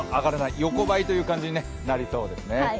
横ばいという感じになりそうですね。